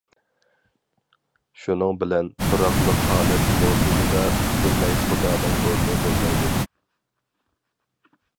شۇنىڭ بىلەن، تۇراقلىق ھالەت مودېلىدا پۈتۈنلەي خۇدانىڭ ئورنى بولمايدۇ.